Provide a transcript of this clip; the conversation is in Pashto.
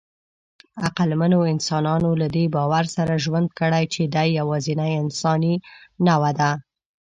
عقلمنو انسانانو له دې باور سره ژوند کړی، چې دی یواځینۍ انساني نوعه ده.